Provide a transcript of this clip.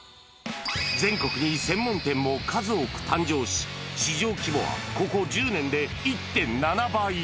全国に専門店も数多く誕生し、市場規模はここ１０年で１．７倍。